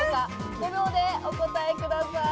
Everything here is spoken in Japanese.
５秒でお答えください。